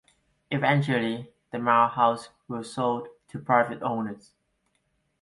Eventually, the mill homes were sold to private owners.